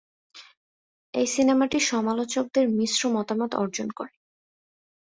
এই সিনেমাটি সমালোচকদের মিশ্র মতামত অর্জন করে।